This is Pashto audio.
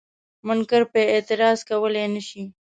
منکر پرې اعتراض کولای نشي.